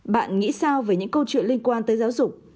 bạn nghĩ sao về những câu chuyện liên quan tới giáo dục